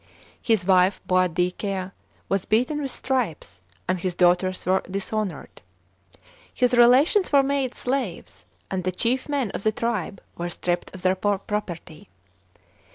His wife Boadicea* was beaten with stripes, and his daughters were dishonoured. His relations were made slaves, and ihe chief men of the tribe were stript of their property.